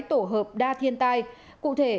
tổ hợp đa thiên tai cụ thể